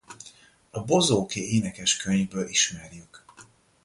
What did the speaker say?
A Bozóki-énekeskönyvből ismerjük.